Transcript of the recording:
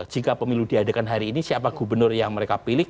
jika pemilu diadakan hari ini siapa gubernur yang mereka pilih